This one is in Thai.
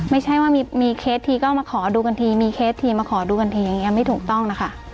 ไม่ใช่ว่ามีเคสทีก็มาขอดูกันทีมีเคสทีมาขอดูกันทีอย่างนี้ไม่ถูกต้องนะคะ